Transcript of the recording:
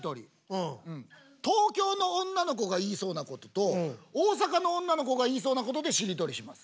東京の女の子が言いそうなことと大阪の女の子が言いそうなことでしりとりします。